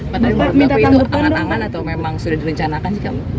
berarti itu angan angan atau memang sudah direncanakan sih kamu